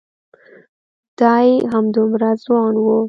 دای همدومره ځوان و.